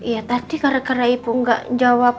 ya tadi kare kare ibu nggak jawab